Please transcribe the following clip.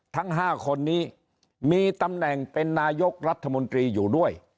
ทั้ง๕คนนี้มีตำแหน่งเป็นนายกรัฐมนตรีอยู่ด้วย